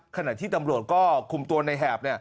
ขณะที่ตำรวจก็คุมตัวในแหบ